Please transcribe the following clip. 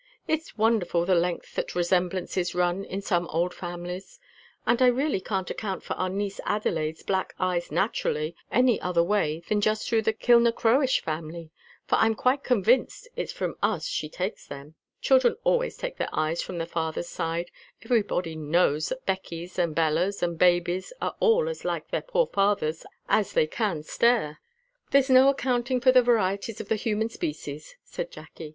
It's wonderful the length that resemblances run in some old families; and I really can't account for our niece Adelaide's black eyes naturally any other way than just through the Kilnacroish family; for I'm quite convinced it's from us she takes them, children always take their eyes from their father's side; everybody knows that Becky's, and Bella's, and Baby's are all as like their poor father's as they can stare." "There's no accounting for the varieties of the human species," said Jacky.